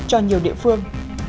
trong nhiều địa phương